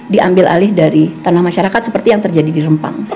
diambil alih dari tanah masyarakat seperti yang terjadi di rempang